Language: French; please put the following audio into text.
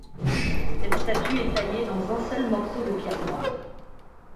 Cette statue est taillée dans un seul morceau de pierre noire.